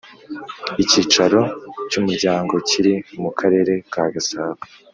Icyicaro cy Umuryango kiri mu Karere ka Gasabo